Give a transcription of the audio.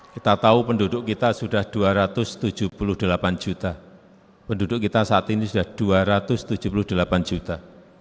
kita tahu penduduk kita sudah dua ratus tujuh puluh delapan juta penduduk kita saat ini sudah dua ratus tujuh puluh delapan juta